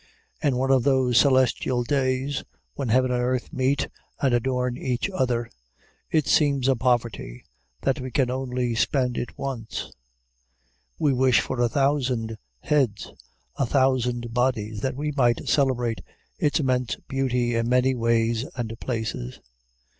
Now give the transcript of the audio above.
In one of those celestial days, when heaven and earth meet and adorn each other, it seems a poverty that we can only spend it once: we wish for a thousand heads, a thousand bodies, that we might celebrate its immense beauty in many ways and places.